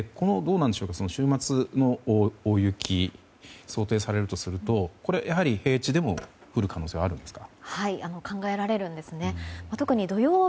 週末の大雪、想定されるとするとやはり平地でも降る可能性はあるんでしょうか。